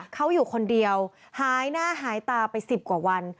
เขาอยู่คนเดียวหายหน้าหายตาไป๑๐กว่าวัน